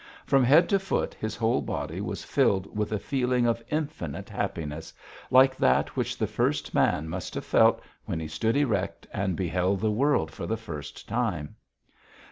From head to foot his whole body was filled with a feeling of infinite happiness, like that which the first man must have felt when he stood erect and beheld the world for the first time.